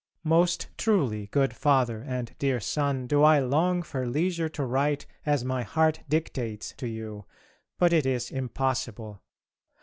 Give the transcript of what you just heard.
Most truly, good Father and dear son, do I long for leisure to write as my heart dictates to you, but it is impossible.